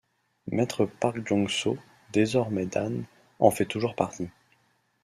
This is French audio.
Maître Park Jong Soo, désormais dan, en fait toujours partie.